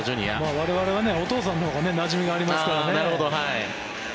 我々はお父さんのほうがなじみがありますからね。